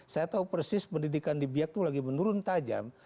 saya tahu persis pendidikan di biak itu lagi menurun tajam